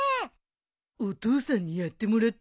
お父さんにやってもらったのかな。